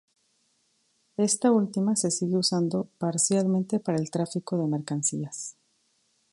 Esta última se sigue usando parcialmente para el tráfico de mercancías.